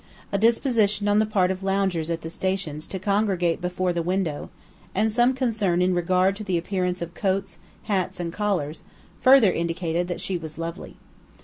A disposition on the part of loungers at the stations to congregate before the window, and some concern in regard to the appearance of coats, hats, and collars, further indicated that she was lovely.